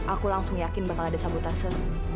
aku langsung yakin bakal ada sabotase